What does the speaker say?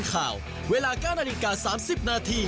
สวัสดีครับ